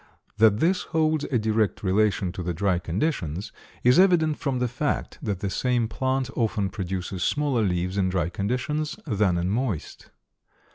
That this holds a direct relation to the dry conditions is evident from the fact that the same plant often produces smaller leaves in dry conditions than in moist.